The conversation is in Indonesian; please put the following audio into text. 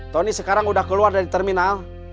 tony sekarang udah keluar dari terminal